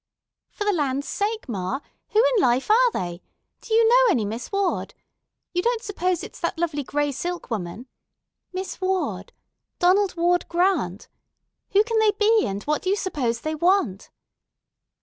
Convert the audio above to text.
"For the land's sake, ma! Who in life are they? Do you know any Miss Ward? You don't s'pose it's that lovely gray silk woman. Miss Ward. Donald Ward Grant. Who can they be, and what do you suppose they want?